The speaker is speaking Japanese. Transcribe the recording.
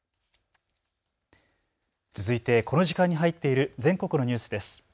続いてこの時間に入っている全国のニュースです。